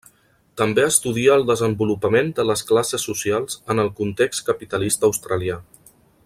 També estudia el desenvolupament de les classes socials en el context capitalista australià.